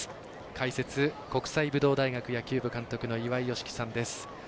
解説、国際武道大学野球部監督の岩井美樹さんです。